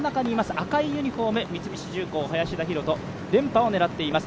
赤いユニフォーム、三菱重工業、林田洋翔連覇を狙っています。